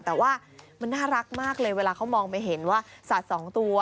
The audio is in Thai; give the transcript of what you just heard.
แต่ว่ามันน่ารักมากเลยเวลาเขามองไปเห็นว่าสัตว์สองตัว